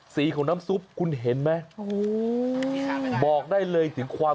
สีของน้ำซุปคุณเห็นมัย